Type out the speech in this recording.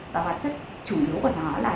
và hoạt chất chủ yếu của nó là